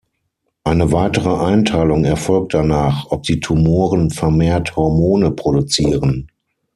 Eine weitere Einteilung erfolgt danach, ob die Tumoren vermehrt Hormone produzieren.